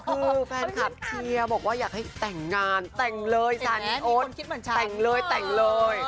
คือแฟนคลับเชียร์บอกว่าอยากให้แต่งงานแต่งเลย๓คนแต่งเลยแต่งเลย